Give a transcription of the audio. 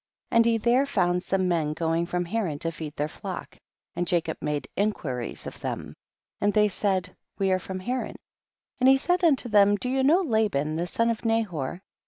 5. And he there found some men going from Haran to feed their flock, and Jacob made inquiries of them, and they said, we are from Haran. 6. And he said unto them, do you know Laban the son of Nahor